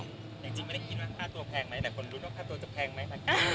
อย่างจริงไม่ได้คิดว่าค่าตัวแพงไหมแต่คนรู้ว่าค่าตัวจะแพงไหม